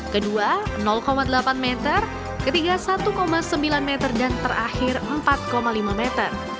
kedua delapan meter ketiga satu sembilan meter dan terakhir empat lima meter